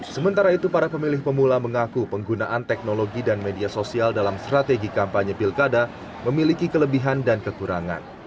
sementara itu para pemilih pemula mengaku penggunaan teknologi dan media sosial dalam strategi kampanye pilkada memiliki kelebihan dan kekurangan